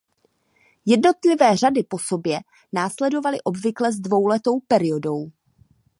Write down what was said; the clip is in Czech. Jednotlivé řady po sobě následovaly obvykle s dvouletou periodou.